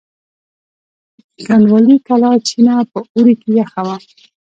د کنډوالې کلا چینه په اوړي کې یخه وه.